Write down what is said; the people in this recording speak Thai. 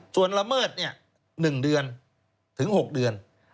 ส่วนละเมิด๑เดือนถึง๖เดือน